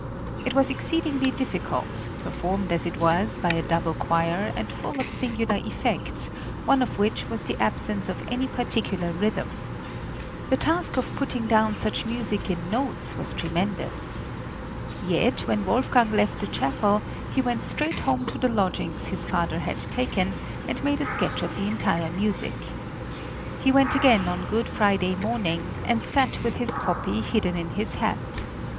It was exceedingly difficult, performed as it was by a double choir, and full of singular effects, one of which was the absence of any particular rhythm. The task of putting down such music in notes was tremendous. Yet, when Wolfgang left the Chapel he went straight home to the lodgings his father had taken, and made a sketch of the entire music. He went again on Good Friday morning, and sat with his copy hidden in his hat.